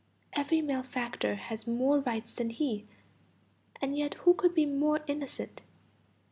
Every malefactor has more rights than he; and yet who could be more innocent?